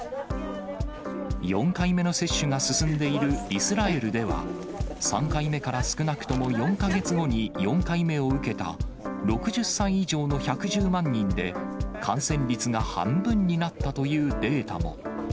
４回目の接種が進んでいるイスラエルでは、３回目から少なくとも４か月後に４回目を受けた、６０歳以上の１１０万人で、感染率が半分になったというデータも。